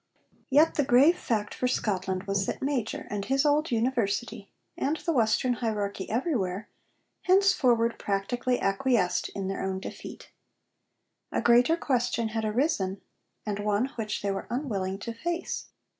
Yet the grave fact for Scotland was that Major and his old University, and the Western hierarchy everywhere, henceforward practically acquiesced in their own defeat. A greater question had arisen, and one which they were unwilling to face.